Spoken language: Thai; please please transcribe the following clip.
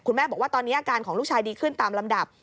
แม่บอกว่าตอนนี้อาการของลูกชายดีขึ้นตามลำดับ